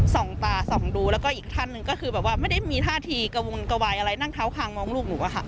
ส่องตาส่องดูแล้วก็อีกท่านหนึ่งก็คือแบบว่าไม่ได้มีท่าทีกระวนกระวายอะไรนั่งเท้าคางมองลูกหนูอะค่ะ